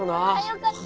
よかった。